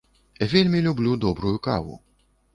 Вельмі люблю добрую каву.